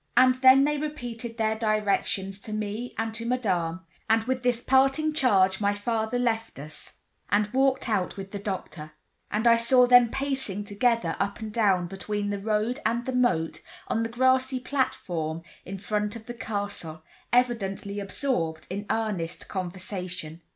And then they repeated their directions to me and to Madame, and with this parting charge my father left us, and walked out with the doctor; and I saw them pacing together up and down between the road and the moat, on the grassy platform in front of the castle, evidently absorbed in earnest conversation.